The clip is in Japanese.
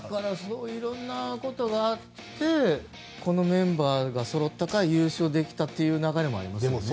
いろんなことがあってこのメンバーがそろったから優勝できたという流れもありますよね。